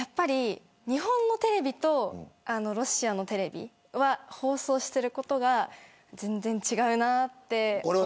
日本のテレビとロシアのテレビは放送していることが全然違うなと思います。